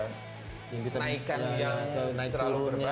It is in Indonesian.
misalnya ada tikungan yang terlalu patah terlalu curam atau apa ya